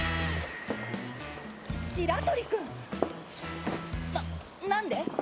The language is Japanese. し白鳥君⁉な何で？